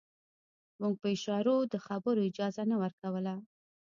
موږ په اشارو د خبرو اجازه نه ورکوله.